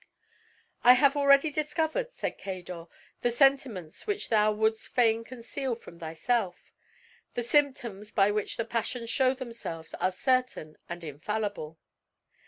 "I have already discovered," said Cador, "the sentiments which thou wouldst fain conceal from thyself. The symptoms by which the passions show themselves are certain and infallible.